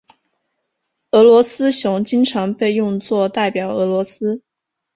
俄罗斯熊经常被用作代表俄罗斯。